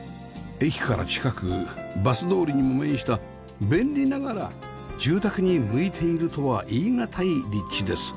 駅から近くバス通りにも面した便利ながら住宅に向いているとは言いがたい立地です